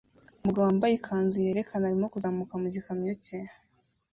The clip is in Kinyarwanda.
Umugabo wambaye ikanzu yerekana arimo kuzamuka mu gikamyo cye